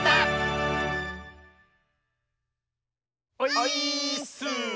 オイーッス！